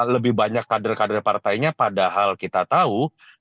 lebih banyak kader kader partainya padahal kita tahu